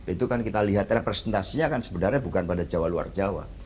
itu kan kita lihat representasinya kan sebenarnya bukan pada jawa luar jawa